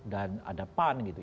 dan ada pan gitu